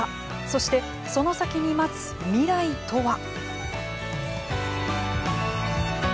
そして、その先に待つ未来とは。